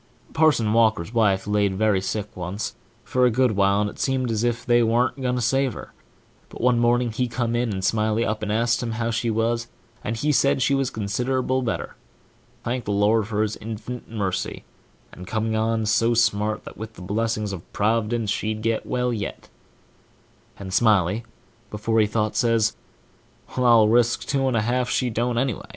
Parson Walker's wife laid very sick once, for a good while, and it seemed as if they warn't going to save her; but one morning he come in, and Smiley asked ho! ! w she was, and he said she was considerable better&#8212thank the Lord for his inf'nit mercy&#8212and coming on so smart that, with the blessing of Prov'dence, she'd get well yet; and Smiley, before he thought, says, "Well, I'll risk two and a half that she don't, anyway."